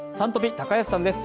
高安さんです。